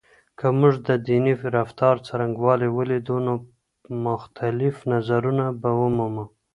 که موږ د دیني رفتار څرنګوالی ولیدو، نو مختلف نظرونه به ومومو.